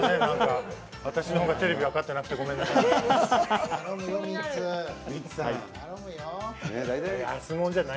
私のほうがテレビ分かってなくてごめんなさい。